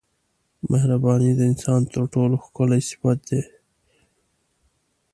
مهرباني د انسان تر ټولو ښکلی صفت دی.